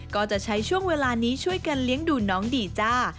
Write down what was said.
ก็จะใช้ช่วงเวลานี้ช่วยกันเลี้ยงดูน้องดีจ้า